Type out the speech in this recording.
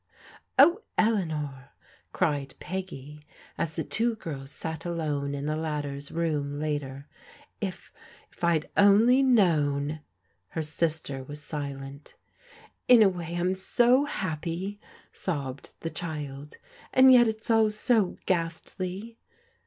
" Oh, Eleanor !" cried Peggy as the two girls sat alone in the latter's room later, " if — ^if I had only known !" Her sister was silent. " In a way Fm so happy," sobbed the child, " and yet it's all so ghastly."